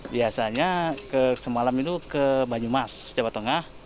biasanya semalam itu ke banyumas jawa tengah